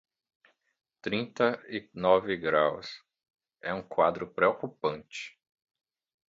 Trinta e nove graus, é um quadro preocupante.